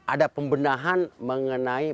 ada pembenahan mengenai